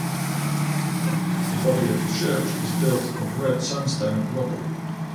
The body of the church is built of Red sandstone rubble.